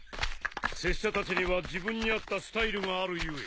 拙者たちには自分に合ったスタイルがある故